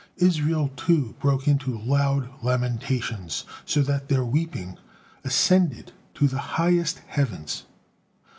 Israel, too, broke into loud lamentations, so that their weeping ascended to the highest heavens.